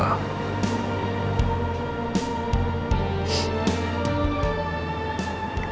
tahan di papa dulu ya